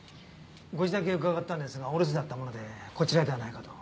ご自宅へ伺ったんですがお留守だったものでこちらではないかと。